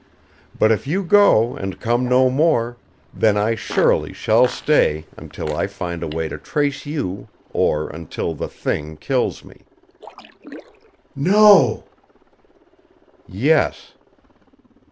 But if you go and come no more, then I surely shall stay until I find a way to trace you or until the Thing kills me." "No!" "Yes."